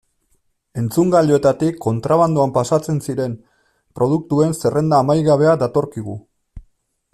Entzungailuetatik kontrabandoan pasatzen ziren produktuen zerrenda amaigabea datorkigu.